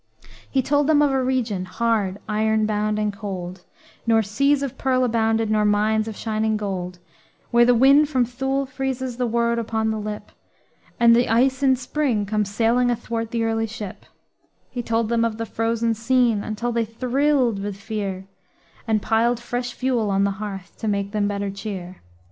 He told them of a region, hard, iron bound and cold, Nor seas of pearl abounded, nor mines of shining gold; Where the wind from Thule freezes the word upon the lip, And the ice in spring comes sailing athwart the early ship; He told them of the frozen scene, until they thrilled with fear, And piled fresh fuel on the hearth to make them better cheer.